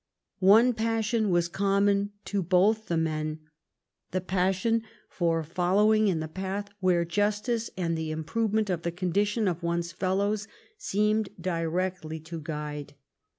One passion was com mon to both the men — the passion for following in the path where justice and the improvement of the condition of one's fellows seemed directly to guide.